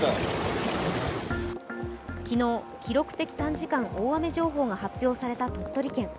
昨日、記録的短時間大雨情報が発表された鳥取県。